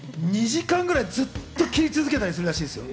２時間くらいずっと切り続けたりするそうですよ。